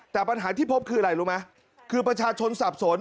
แต่ปัญหาที่พบคืออะไรรู้ไหมคือประชาชนสับสน